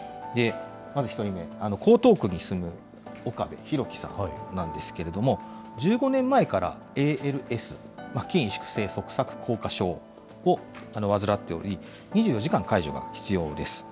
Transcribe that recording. まず１人目、江東区に住む岡部宏生さんなんですけれども、１５年前からＡＬＳ・筋萎縮性側索硬化症を患っており、２４時間介助が必要です。